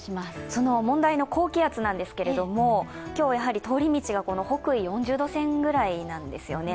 その問題の高気圧なんですけど、今日、通り道が北緯４０度線くらいなんですね。